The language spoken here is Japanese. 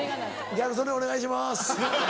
ギャル曽根お願いします。